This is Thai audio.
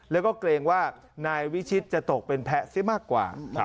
แล้วก็เกรงว่านายวิชิตจะตกเป็นแพ้ซิมากกว่า